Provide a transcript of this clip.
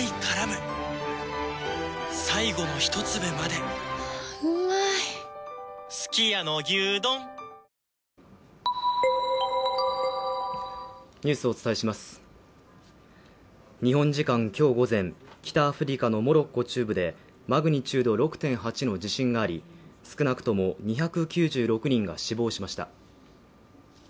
ようやく意を決する日本時間今日午前、北アフリカのモロッコ中部でマグニチュード６．８の地震があり、少なくとも２９６人が死亡しました。